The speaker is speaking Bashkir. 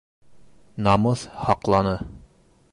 Намыҫ һаҡланы.